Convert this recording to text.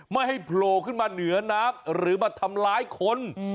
ไม่ให้โผล่ขึ้นมาเหนือน้ำหรือมาทำร้ายคน